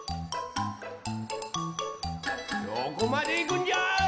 どこまでいくんじゃい！